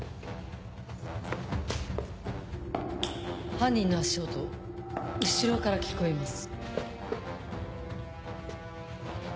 犯人の足音後ろから聞こえます。